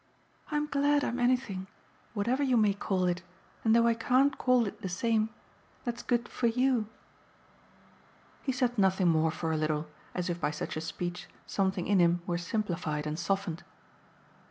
"I'm glad I'm anything whatever you may call it and though I can't call it the same that's good for YOU." He said nothing more for a little, as if by such a speech something in him were simplified and softened.